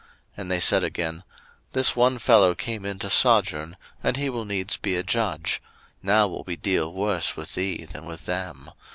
And they said again, This one fellow came in to sojourn, and he will needs be a judge: now will we deal worse with thee, than with them.